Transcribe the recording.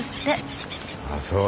ああそう。